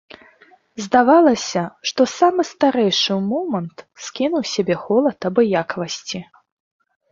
Здавалася, што самы старэйшы ў момант скінуў з сябе холад абыякавасці.